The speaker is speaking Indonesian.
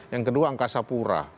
yang ke dua angkasa pura